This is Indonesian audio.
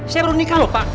saya baru nikah lho pak